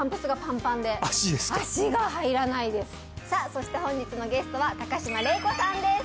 さあそして本日のゲストは高島礼子さんです